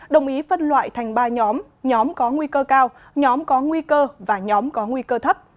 đồng ý phân loại thành ba nhóm nhóm có nguy cơ cao nhóm có nguy cơ và nhóm có nguy cơ thấp